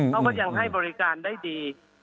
เขาก็ยังให้บริการได้ดี